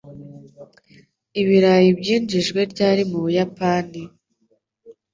Ibirayi byinjijwe ryari mu Buyapani?